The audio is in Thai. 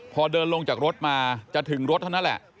พอเดินลงจากรถมาจะถึงรถเท่านั้นแหละ